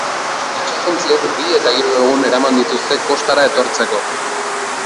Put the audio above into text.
Itsasontziek bi eta hiru egun eraman dituzte kostara etortzeko.